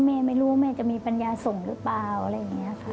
ไม่รู้ว่าแม่จะมีปัญญาส่งหรือเปล่าอะไรอย่างนี้ค่ะ